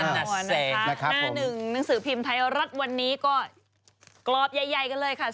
หน้าหนึ่งหนังสือพิมพ์ไทยรัฐวันนี้ก็กรอบใหญ่กันเลยค่ะ